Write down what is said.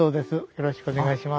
よろしくお願いします。